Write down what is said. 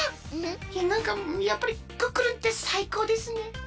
いやなんかやっぱりクックルンってさいこうですね。